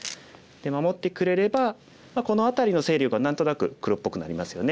守ってくれればこの辺りの勢力は何となく黒っぽくなりますよね。